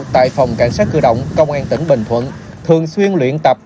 tại phòng cảnh sát cơ động công an tỉnh bình thuận thường xuyên luyện tập